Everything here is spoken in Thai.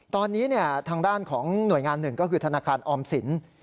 ตอนนี้ทางด้านของหน่วยงานหนึ่งก็คือธนาคารออมสิน